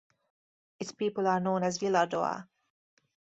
Its people are known as "Villardois".